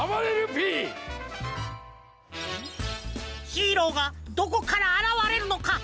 ヒーローがどこからあらわれるのか？